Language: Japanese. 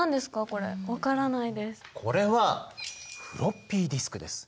これはフロッピーディスクです。